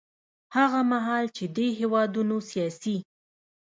هغه مهال چې دې هېوادونو سیاسي